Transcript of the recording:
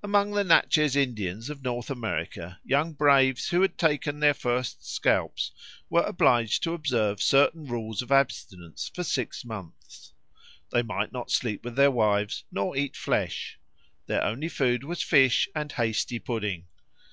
Among the Natchez Indians of North America young braves who had taken their first scalps were obliged to observe certain rules of abstinence for six months. They might not sleep with their wives nor eat flesh; their only food was fish and hasty pudding.